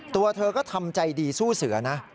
ตัวเธอก็ทำใจดีสู้เสือนะ